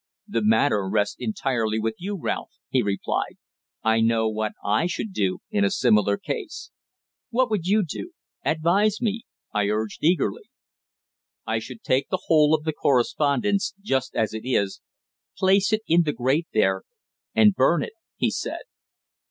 "The matter rests entirely with you, Ralph," he replied. "I know what I should do in a similar case." "What would you do? Advise me," I urged eagerly. "I should take the whole of the correspondence, just as it is, place it in the grate there, and burn it," he said.